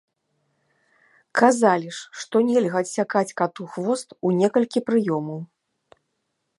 Казалі ж, што нельга адсякаць кату хвост у некалькі прыёмаў.